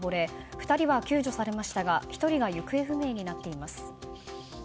２人は救助されましたが１人が行方不明になっています。